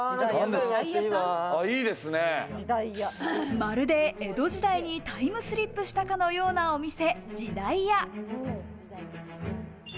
まるで江戸時代にタイムスリップしたかのようなお店、時代屋。